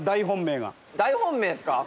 大本命っすか？